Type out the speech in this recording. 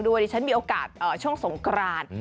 เมื่อตอนนี้ฉันมีโอกาสช่วงสงกราน